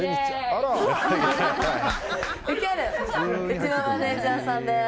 うちのマネジャーさんです。